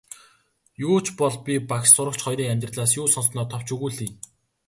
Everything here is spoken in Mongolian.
Юу ч бол би багш сурагч хоёрын амьдралаас юу сонссоноо товч өгүүлье.